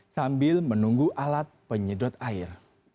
sambil menunggu alat penyedot air